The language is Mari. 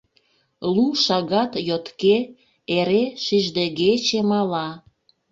Лу шагат йотке эре шиждегече мала.